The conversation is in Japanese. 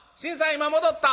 今戻った」。